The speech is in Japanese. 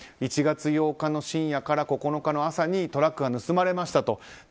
１月８日の深夜から九日の朝にトラックが盗まれましたと。